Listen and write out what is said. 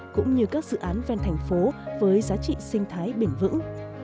cũng như các dự án ven thành phố với giá trị sinh thái bền vững